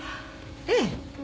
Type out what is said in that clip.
ええ。